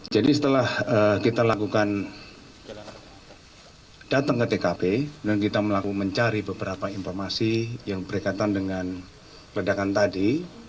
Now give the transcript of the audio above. jadi setelah kita lakukan datang ke tkp dan kita melakukan mencari beberapa informasi yang berkaitan dengan ledakan tadi